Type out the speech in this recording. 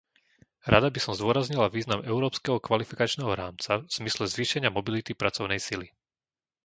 Rada by som zdôraznila význam európskeho kvalifikačného rámca v zmysle zvýšenia mobility pracovnej sily.